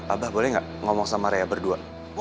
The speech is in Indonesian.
abah boleh gak ngomong sama rea berdua